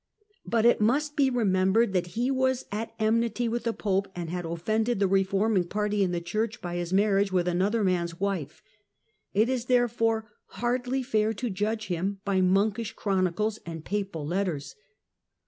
But it must be remembered that he was at enmity with the Pope, and had offended the reforming party in the Church by his marriage with another man's wife; it is, therefore, hardly fair to judge him by monkish chronicles and papal letters.